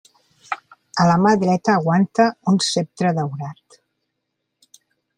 A la mà dreta aguanta un ceptre daurat.